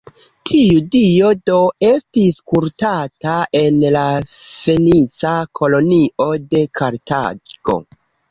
Tiu dio do, estis kultata en la fenica kolonio de Kartago.